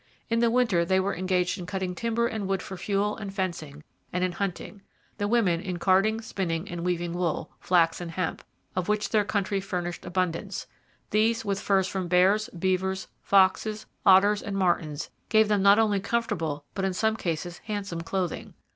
'In the winter they were engaged in cutting timber and wood for fuel and fencing, and in hunting; the women in carding, spinning, and weaving wool, flax, and hemp, of which their country furnished abundance; these, with furs from bears, beavers, foxes, otters, and martens, gave them not only comfortable, but in some cases handsome clothing.'